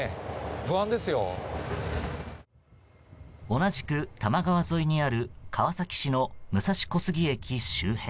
同じく多摩川沿いにある川崎市の武蔵小杉駅周辺。